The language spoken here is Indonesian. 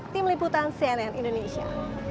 tim liputan cnn indonesia